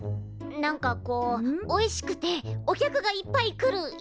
なんかこうおいしくてお客がいっぱい来るやつ。